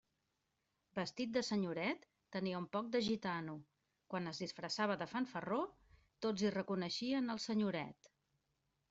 Vestit de senyoret, tenia un poc de gitano; quan es disfressava de fanfarró, tots hi reconeixien el senyoret.